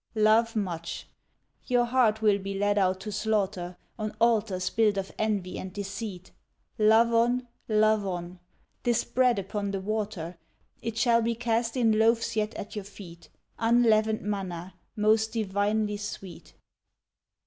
Love much. Your heart will be led out to slaughter, On altars built of envy and deceit. Love on, love on! 'tis bread upon the water; It shall be cast in loaves yet at your feet, Unleavened manna, most divinely sweet.